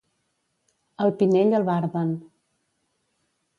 Al Pinell albarden.